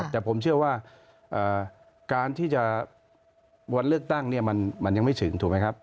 แต่ผมเชื่อว่าการที่จะวันเลือกตั้งมันยังไม่ถึงถูกไหมครับ